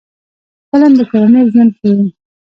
فلم د کورنۍ ژوند ښيي